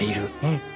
うん！